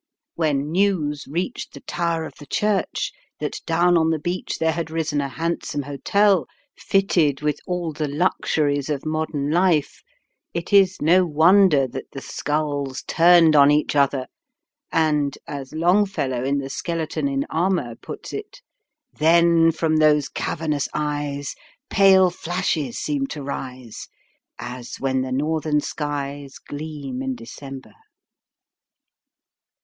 When news reached the tower of the church that down on the beach there had risen a handsome hotel, fitted with all the luxuries of modern life, it is no wonder that the skulls turned on each other and as Longfellow in the "Skeleton in Armour" puts it "Then from those cavernous eyes Pale flashes seem to rise, As when the northern skies Gleam In December."